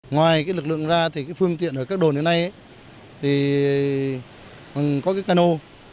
ngoài lực lượng ra thì phương tiện ở các đồn như thế này thì có cái cano